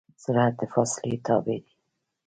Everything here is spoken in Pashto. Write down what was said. سرعت د فاصلې تابع دی.